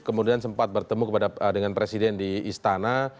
kemudian sempat bertemu dengan presiden di istana